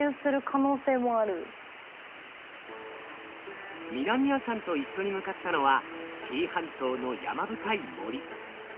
じゃあ南谷さんと一緒に向かったのは紀伊半島の山深い森。